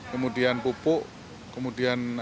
kemudian pupuk kemudian